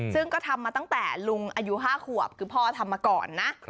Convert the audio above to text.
ซึ่งก็ทำมาตั้งแต่ลุงอายุ๕ขวบคือพ่อทำมาก่อนนะ